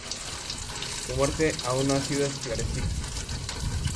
Su muerte aún no ha sido esclarecida.